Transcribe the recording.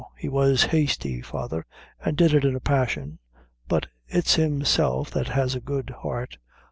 He was hasty, father, and did it in a passion, but it's himself that has a good heart.